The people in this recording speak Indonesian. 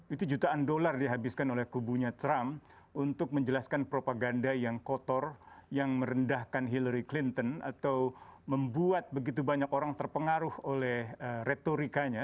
itu jutaan dolar dihabiskan oleh kubunya trump untuk menjelaskan propaganda yang kotor yang merendahkan hillary clinton atau membuat begitu banyak orang terpengaruh oleh retorikanya